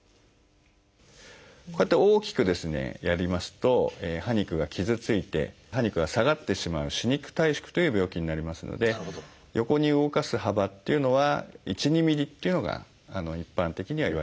こうやって大きくですねやりますと歯肉が傷ついて歯肉が下がってしまう「歯肉退縮」という病気になりますので横に動かす幅っていうのは１２ｍｍっていうのが一般的にはいわれております。